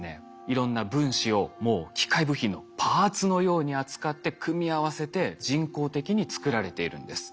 いろんな分子をもう機械部品のパーツのように扱って組み合わせて人工的に作られているんです。